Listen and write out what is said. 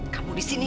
kamu di sini